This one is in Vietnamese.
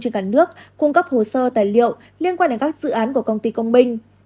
trên cả nước cung cấp hồ sơ tài liệu liên quan đến các dự án của công ty công binh